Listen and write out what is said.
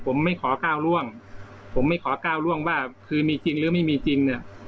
ผมไม่ขอก้าวร่วงผมไม่ขอก้าวล่วงว่าคือมีจริงหรือไม่มีจริงเนี่ย